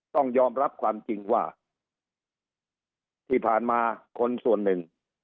ต้องยอมรับความจริงว่าที่ผ่านมาคนส่วนหนึ่ง